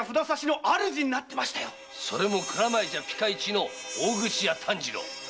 それも蔵前じゃピカ一の大口屋丹次郎。